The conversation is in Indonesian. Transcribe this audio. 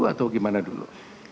atau gimana dulu